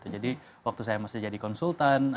jadi waktu saya masih jadi konsultan